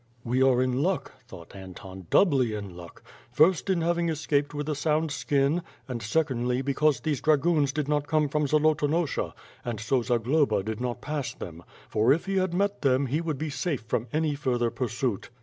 "We are in luck," thought Anton, "doubly in luck; first, in having escaped with a sound skin, and, secondly, because these dragoons did not come from Zolotonosha, and so Zagloba did not pass them; for, if he had met them, he would be safe from any further pursuit."